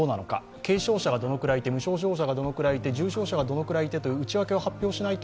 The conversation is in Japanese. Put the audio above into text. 軽症者がどれぐらいいて、無症状者がどのぐらいいて、重症者がどのぐらいいてということを発表しないと